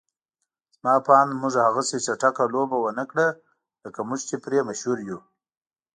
زما په اند موږ هغسې چټکه لوبه ونکړه لکه موږ چې پرې مشهور يو.